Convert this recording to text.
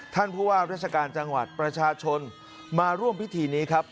ท่านผู้ว่าราชการจังหวัดประชาชนมาร่วมพิธีนี้ครับ